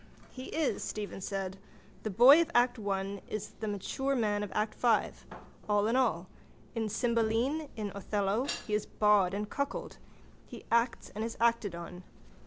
—He is, Stephen said. The boy of act one is the mature man of act five. All in all. In Cymbeline, in Othello he is bawd and cuckold. He acts and is acted on.